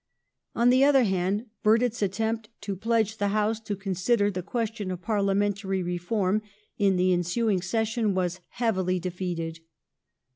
On the other hand, Burdett's attempt to pledge the House to consider the question of parlia mentary reform in the ensuing session was heavily defeated.